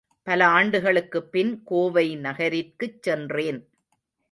பல ஆண்டுகளுக்குப் பின், கோவை நகரிற்குச் சென்றேன்.